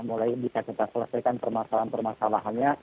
mulai bisa kita selesaikan permasalahan permasalahannya